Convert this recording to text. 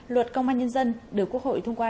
luật công an nhân dân được quốc hội thông qua